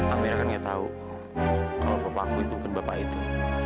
amira kan nggak tahu kalau papa aku bukan bapak itu